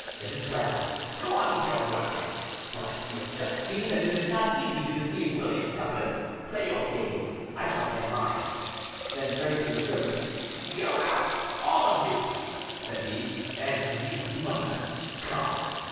It is well, go on with your work; but you have just seen that it is not easy to deceive William Douglas. Play your game, I shall play mine". Then turning to the servants, "Go out, all of you," said he; "and you, mother, come."